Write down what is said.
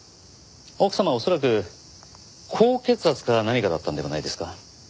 奥様は恐らく高血圧か何かだったのではないですか？